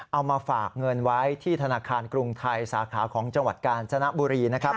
เอามาฝากเงินไว้ที่ธนาคารกรุงไทยสาขาของจังหวัดกาญจนบุรีนะครับ